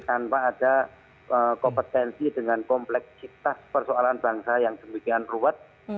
tanpa ada kompetensi dengan kompleksitas persoalan bangsa yang demikian ruwet